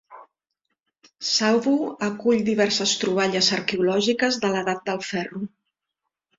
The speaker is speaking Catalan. Sauvo acull diverses troballes arqueològiques de l'edat del ferro.